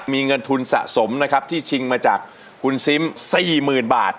มีเงินทุนสะสมนะครับที่ชิงมาจากคุณซิม๔๐๐๐บาท